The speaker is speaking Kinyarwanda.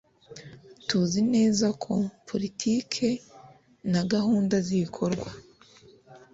Tuzi neza ko politike na gahunda z ibikorwa